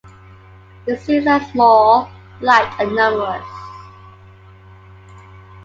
The seeds are small, light, and numerous.